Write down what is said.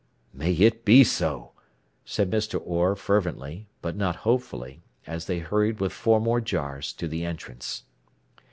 "May it be so," said Mr. Orr fervently, but not hopefully, as they hurried with four more jars to the entrance.